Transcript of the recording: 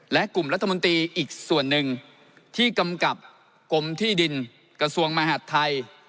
และกลุ่มรัฐมนตรีอีกส่วนหนึ่งที่กำกับกรมที่ดินกระทรวงมหาดไทย